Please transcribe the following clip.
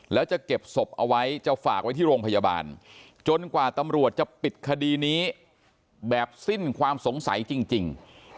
แล้วจะเก็บศพเอาไว้จะฝากไว้ที่โรงพยาบาลจนกว่าตำรวจจะปิดคดีนี้แบบสิ้นความสงสัยจริง